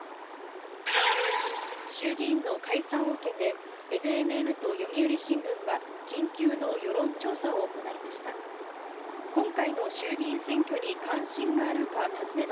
衆議院の解散を受けて、ＮＮＮと読売新聞は、緊急の世論調査を行いました。